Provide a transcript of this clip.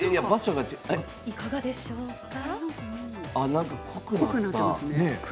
いかがでしょうか。